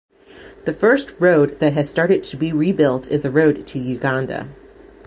The first road that has started to be rebuilt is the road to Uganda.